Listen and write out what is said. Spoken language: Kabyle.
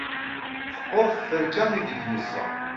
teqqur tferka ideg yeẓẓa